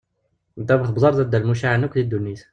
Ddabex n uḍar d addal mucaεen akk di ddunit.